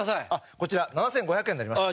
こちら７５００円になります。